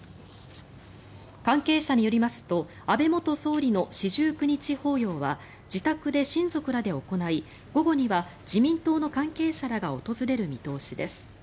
関係者によりますと安倍元総理の四十九日法要は自宅で親族らで行い午後には自民党の関係者らが訪れる見通しです。